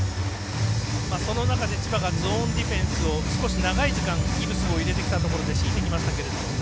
その中で千葉がゾーンディフェンスを少し長い時間ギブスを入れてきたところで敷いてきましたけど